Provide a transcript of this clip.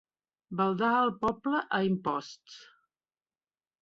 Baldar el poble a imposts.